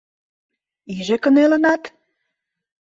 Иже кынелынат?..